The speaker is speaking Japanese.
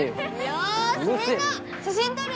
よしみんな写真撮るよ！